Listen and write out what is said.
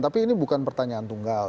tapi ini bukan pertanyaan tunggal